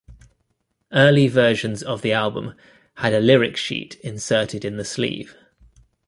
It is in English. Early versions of the album had a lyric sheet inserted in the sleeve.